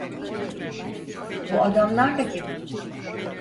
Bu adamlar da kim?